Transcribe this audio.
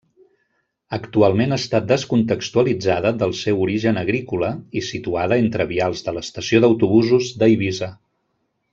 Actualment està descontextualitzada del seu origen agrícola i situada entre vials de l'estació d'autobusos d'Eivissa.